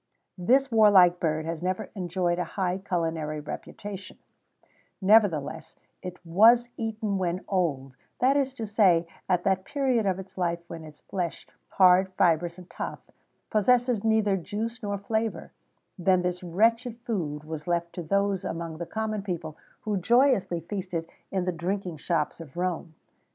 [XVII 10] This warlike bird has never enjoyed a high culinary reputation; nevertheless, it was eaten when old, that is to say, at that period of its life when its flesh, hard, fibrous, and tough, possesses neither juice nor flavour then this wretched food was left to those among the common people who joyously feasted in the drinking shops of Rome.